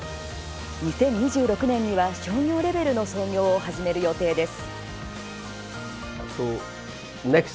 ２０２６年には、商業レベルの操業を始める予定です。